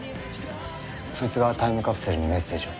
そいつがタイムカプセルにメッセージを？